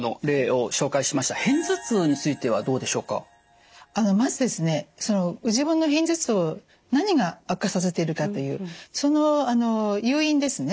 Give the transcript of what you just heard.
ご自分の片頭痛何が悪化させているかというその誘因ですね